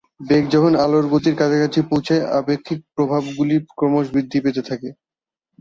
বেগ যখন আলোর গতির কাছাকাছি পৌছায়, আপেক্ষিক প্রভাবগুলি ক্রমশ বৃদ্ধি পেতে থাকে।